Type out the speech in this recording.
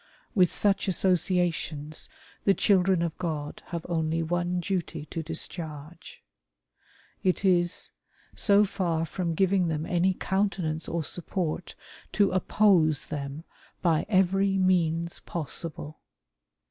With such associations the children of God have only one duty to discharge. It is : so for from giving them any countenance or support, to oppose them by every means possible.